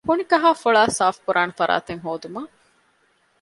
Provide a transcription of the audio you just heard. ކުނިކަހައި ފޮޅައި ސާފުކުރާނެ ފަރާތެއް ހޯދުމަށް